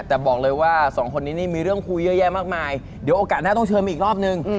แต่บอกเลยว่าสองคนนี้นี่มีเรื่องคุยเยอะแยะมากมายเดี๋ยวโอกาสหน้าต้องเชิญมาอีกรอบนึง